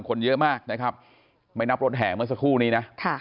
คนเยอะมากนะครับไม่นับรถแห่เมื่อสักครู่นี้นะ